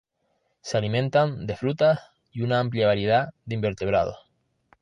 Se alimentan de frutas y una amplia variedad de invertebrados.